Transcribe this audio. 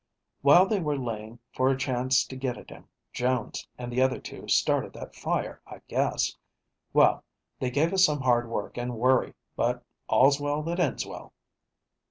While they were laying for a chance to get at him, Jones and the other two started that fire, I guess. Well, they gave us some hard work and worry, but all's well that ends well."